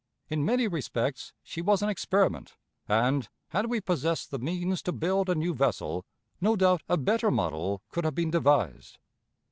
In many respects she was an experiment, and, had we possessed the means to build a new vessel, no doubt a better model could have been devised.